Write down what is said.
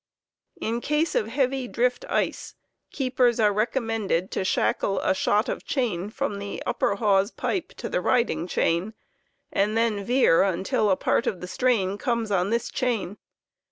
In case of heavy driftice, keepers are recommended to shackle a shot of chain t^o^?^ 11 from the upper hawse pipe to the riding chain, and then veer until part of the strain comes on this chain.